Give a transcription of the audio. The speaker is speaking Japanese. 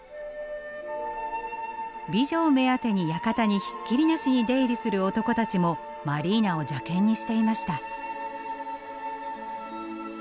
美女を目当てに館にひっきりなしに出入りする男たちもマリーナを邪けんにしていました。